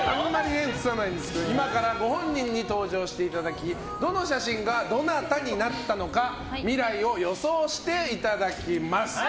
今からご本人に登場していただきどの写真がどなたになったのか未来を予想していただきます。